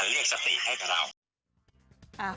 มันก็เหมือนจะเป็นการเลขสติให้กับเรา